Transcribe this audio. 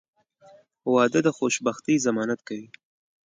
• واده د خوشبختۍ ضمانت کوي.